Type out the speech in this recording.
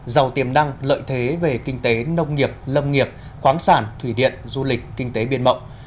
giàu tiềm năng lợi thế về kinh tế nông nghiệp lâm nghiệp khoáng sản thủy điện du lịch kinh tế biên mộng